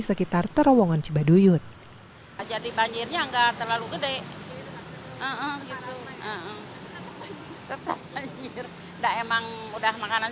sekitar terowongan cibaduyut jadi banjirnya enggak terlalu gede gitu emang udah makanan